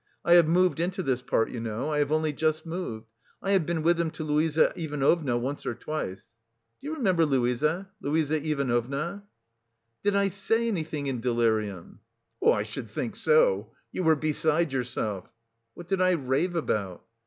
I have moved into this part, you know. I have only just moved. I've been with him to Luise Ivanovna once or twice.... Do you remember Luise, Luise Ivanovna? "Did I say anything in delirium?" "I should think so! You were beside yourself." "What did I rave about?"